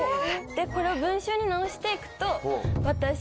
これを文章に直していくと私